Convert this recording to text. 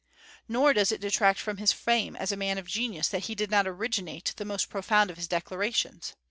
Nor does it detract from his fame as a man of genius that he did not originate the most profound of his declarations.